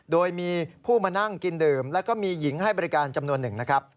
โดยมีผู้มานั่งกินดื่มแล้วก็มีหญิงให้บริการจำนวนหนึ่งนะครับ